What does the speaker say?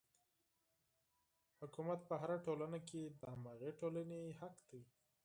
حکومت په هره ټولنه کې د هماغې ټولنې حق دی.